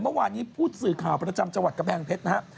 เมื่อวานี้ปูศื่อข่าวประจำจังหวัดกระแพงเพชรนะฮะ